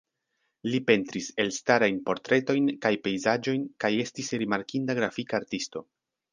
Li pentris elstarajn portretojn kaj pejzaĝojn kaj estis rimarkinda grafika artisto.